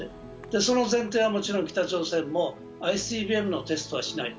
その前提は、もちろん北朝鮮もＩＣＢＭのテストはしないと。